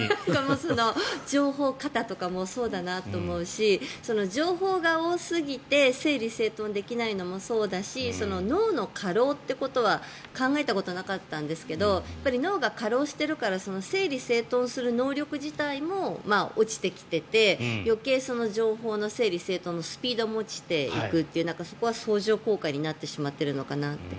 情報過多とかもそうだなと思うし情報が多すぎて整理整頓できないのもそうだし脳の過労ということは考えたことなかったんですけど脳が過労しているから整理整頓する能力自体も落ちてきていて、余計に情報の整理整頓のスピードも落ちていくというそこは相乗効果になってしまっているのかなって。